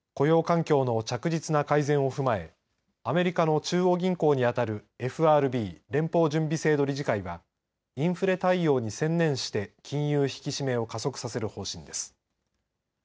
雇用環境の着実な改善を踏まえアメリカの中央銀行に当たるＦＲＢ、連邦準備制度理事会はインフレ対応に専念して金融引き締めを加速させる方針です。